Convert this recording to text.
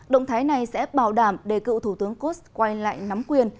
động thái này sẽ bảo đảm để cựu thủ tướng kos quay lại nắm quyền